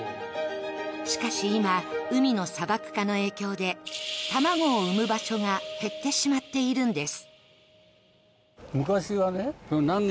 しかし、今、海の砂漠化の影響で卵を産む場所が減ってしまっているんです。